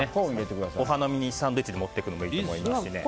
お花見にサンドイッチで持っていくのもいいですね。